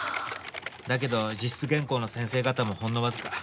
だけど自筆原稿の先生方もほんのわずか。